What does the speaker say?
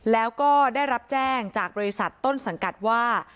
แล้วก็ได้รับแจ้งจากบริษัทต้นสังกัดว่า